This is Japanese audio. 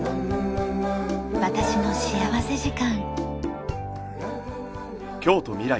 『私の幸福時間』。